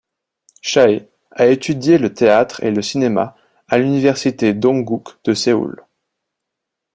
Chae a étudié le théâtre et le cinéma à l'université Dongguk de Séoul.